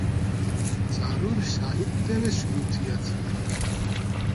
চারুর সাহিত্যে বেশ রুচি আছে।